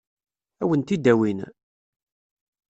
Ad wen-t-id-awin?